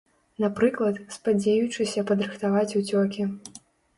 Напрыклад, спадзеючыся падрыхтаваць уцёкі.